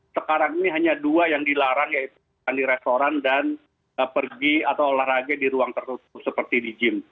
sekarang ini hanya dua yang dilarang yaitu makan di restoran dan pergi atau olahraga di ruang tertutup seperti di gym